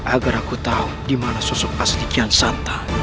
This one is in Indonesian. agar aku tahu di mana sosok aslikian santai